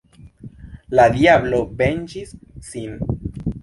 La diablo venĝis sin.